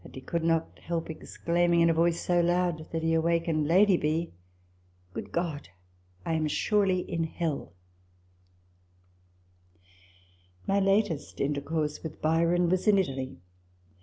1 82 RECOLLECTIONS OF THE he could not help exclaiming, in a voice so loud that he wakened Lady B., " Good God, I am surely in hell !" My latest intercourse with Byron was in Italy.